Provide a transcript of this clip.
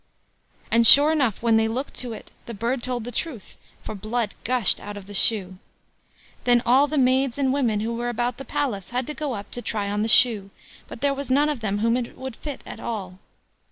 And, sure enough, when they looked to it the bird told the truth, for blood gushed out of the shoe. Then all the maids and women who were about the palace had to go up to try on the shoe, but there was none of them whom it would fit at all.